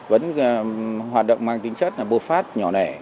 vẫn hoạt động mang tính chất là bột phát nhỏ lẻ